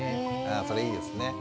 それいいですね。